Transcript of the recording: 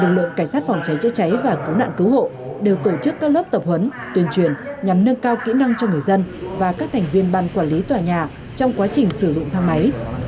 lực lượng cảnh sát phòng cháy chữa cháy và cứu nạn cứu hộ đều tổ chức các lớp tập huấn tuyên truyền nhằm nâng cao kỹ năng cho người dân và các thành viên ban quản lý tòa nhà trong quá trình sử dụng thang máy